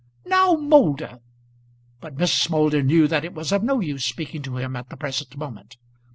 "Now, Moulder " But Mrs. Moulder knew that it was of no use speaking to him at the present moment.